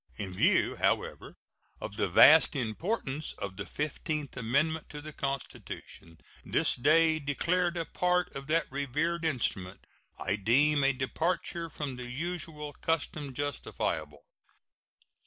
In view, however, of the vast importance of the fifteenth amendment to the Constitution, this day declared a part of that revered instrument, I deem a departure from the usual custom justifiable.